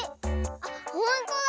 あっほんとだ！